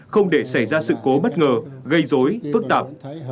không để xảy ra sự cố bất ngờ gây dối phức tạp